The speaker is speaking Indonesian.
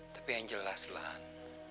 tapi yang jelas lan